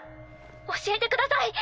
教えてください。